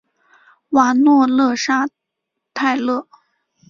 瓦诺勒沙泰勒。